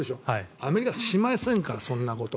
アメリカ、しませんからそんなこと。